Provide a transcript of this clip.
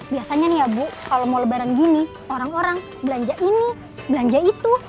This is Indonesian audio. biasanya nih ya bu kalau mau lebaran gini orang orang belanja ini belanja itu